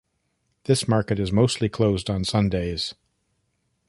This market is mostly closed on Sundays.